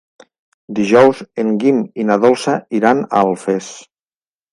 Dijous en Guim i na Dolça iran a Alfés.